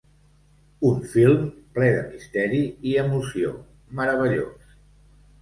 Un film ple de misteri i emoció, meravellós.